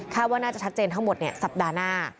ว่าน่าจะชัดเจนทั้งหมดสัปดาห์หน้า